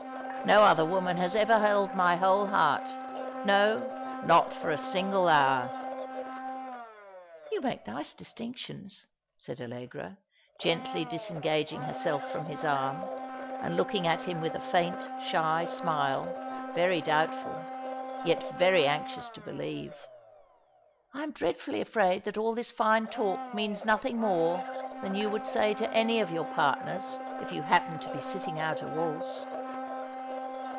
No other woman has ever held my whole heart ; no, not for a single hour." " You make nice distinctions," said Allegra, gently dis engaging herself from his arm, and looking at him with a faint, shy smile, very doubtful, yet very anxious to believe. ^' No Sudden Fancy of an Ardent Boy'.' 213 "I am dreadfully afraid that all this fine talk means nothing more than you would say to any of your partners, if you happened to be sitting out a waltz."